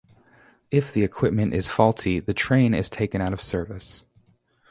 If the equipment is faulty the train is taken out of service.